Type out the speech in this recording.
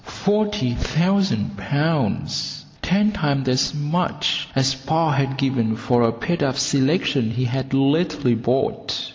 Forty thousand pounds! Ten times as much as "pa" had given for a paid up selection he had lately bought.